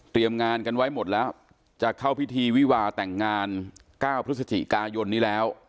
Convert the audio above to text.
งานกันไว้หมดแล้วจะเข้าพิธีวิวาแต่งงาน๙พฤศจิกายนนี้แล้ว